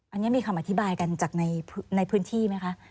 อันนี้มีคำอธิบายกันจากในพื้นที่ไหมคะ